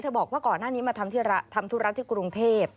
บอกว่าก่อนหน้านี้มาทำธุระที่กรุงเทพ